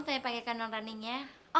saya pake kandung raningnya